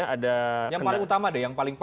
yang paling utama deh yang paling parah